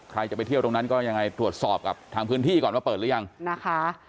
ใครจะไปเที่ยวตรงนั้นก็ยังไงตรวจสอบกับทางพื้นที่ก่อนว่าเปิดหรือยังนะคะ